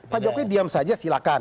pak jokowi diam saja silahkan